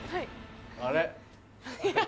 あれ？